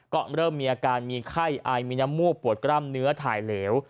ก็เริ่มมีอาการมีไข้อายมีน้ำมูกปวดกล้ามเนื้อถ่ายเหลว